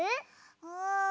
うん。